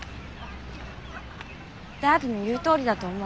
ダッドの言うとおりだと思う。